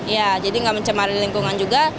ya jadi nggak mencemari lingkungan juga